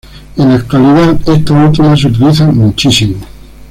En la actualidad esta última se utiliza muchísimo.